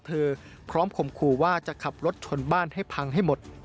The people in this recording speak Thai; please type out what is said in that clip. พร้อมข่มขู่ว่าจะขับรถชนบ้านให้พังให้หมด